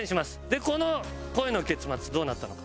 でこの恋の結末どうなったのか。